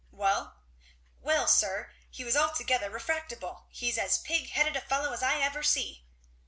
"Well?" "Well, sir, he was altogether refractible he's as pig headed a fellow as I ever see."